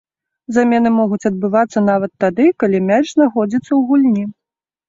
Замены могуць адбывацца нават тады, калі мяч знаходзіцца ў гульні.